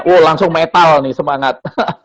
oh langsung metal nih semangat